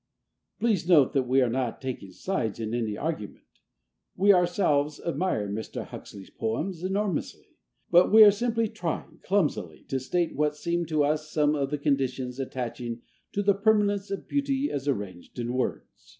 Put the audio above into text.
Please note that we are not taking sides in any argument: we ourself admire Mr. Huxley's poems enormously; but we are simply trying, clumsily, to state what seem to us some of the conditions attaching to the permanence of beauty as arranged in words.